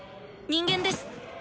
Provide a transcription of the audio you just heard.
人間です。